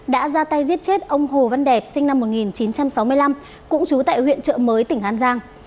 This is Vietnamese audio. đã ra tay giết chết ông hồ văn đẹp sinh năm một nghìn chín trăm sáu mươi năm cũng trú tại huyện trợ mới tỉnh an giang